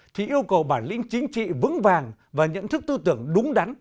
thì yêu cầu bản lĩnh chính trị vững vàng và nhận thức tư tưởng đúng đắn